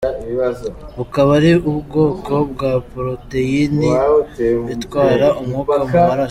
Bukaba ari ubwoko bwa poroteyine itwara umwuka mu maraso.